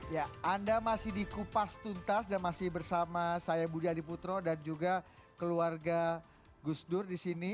ya anda masih di kupas tuntas dan masih bersama saya budi adiputro dan juga keluarga gus dur di sini